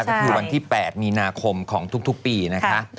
ก็คือวันที่๘มีนาคมของทุกปีนะคะ